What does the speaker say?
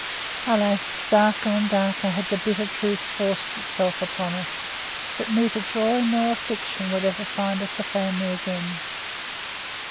Alas! darker and darker had the bitter truth forced itself upon us, that neither joy nor affliction would ever find us as a family again.